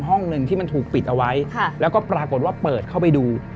ห้องหนึ่งที่มันถูกปิดเอาไว้แล้วก็ปรากฏว่าเปิดเข้าไปดู